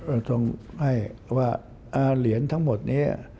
ทรงให้ว่าเหรียญทั้งหมดนี้